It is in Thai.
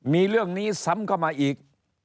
มีเรื่องนี้ซ้ำเข้ามาอีก